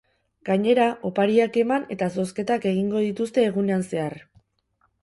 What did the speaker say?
Gainera, opariak eman eta zozketak egingo dituzte egunean zehar.